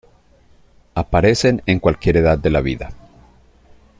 Aparecen en cualquier edad de la vida.